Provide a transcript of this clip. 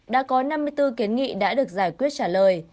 đã có năm mươi bốn kiến nghị đã được giải quyết trả lời